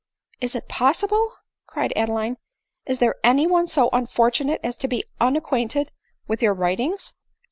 <" Is it possible ?" cried Adeline :" is there any one so unfortunate as to be unacquainted with your writ ings?"